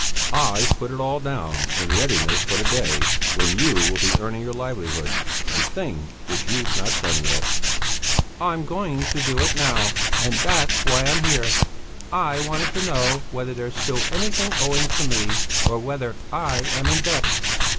I've put it all down, in readiness for the day when you will be earning your livelihood, a thing which you've not done yet." "I'm going to do it now, and that's why I'm here. I wanted to know whether there's still anything owing to me, or whether I am in debt."